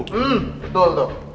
hmm betul tuh